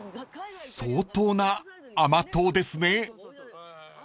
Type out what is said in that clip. ［相当な甘党ですね］